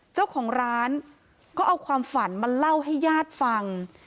เจ้าของร้านก็เอาความฝันมาเล่าให้ญาติฟัง